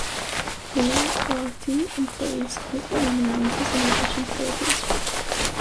Maruti employees currently earn allowances in addition to their base wage.